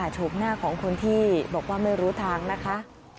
โฉมหน้าของคนที่บอกว่าไม่รู้ทางนะคะ